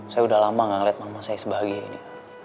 saya udah lama gak ngeliat mama saya sebahagia ini